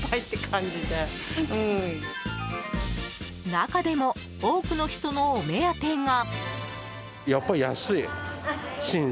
中でも多くの人のお目当てが。